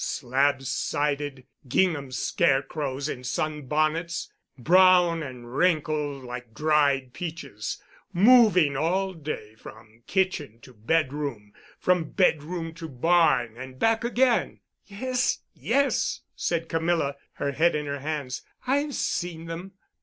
Slabsided, gingham scarecrows in sunbonnets, brown and wrinkled like dried peaches, moving all day from kitchen to bedroom, from bedroom to barn, and back again——" "Yes, yes," said Camilla, her head in her hands. "I've seen them."